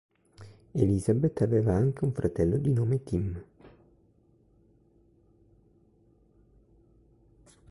Elisabeth aveva anche un fratello di nome Tim.